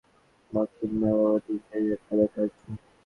বাকিরা মা-বাবার দিক থেকে একগাদা কাজিন।